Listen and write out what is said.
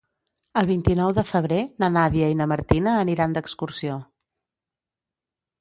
El vint-i-nou de febrer na Nàdia i na Martina aniran d'excursió.